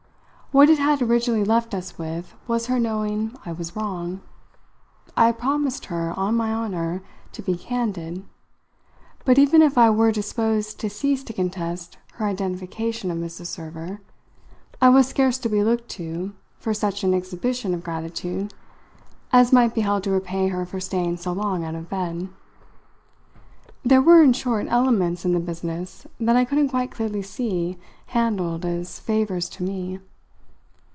What it had originally left us with was her knowing I was wrong. I had promised her, on my honour, to be candid, but even if I were disposed to cease to contest her identification of Mrs. Server I was scarce to be looked to for such an exhibition of gratitude as might be held to repay her for staying so long out of bed. There were in short elements in the business that I couldn't quite clearly see handled as favours to me.